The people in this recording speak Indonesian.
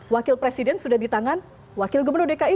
wakil presiden sudah di tangan wakil gubernur dki